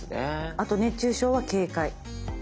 あと熱中症は警戒。